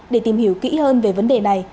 để tìm hiểu kỹ hơn về vấn đề này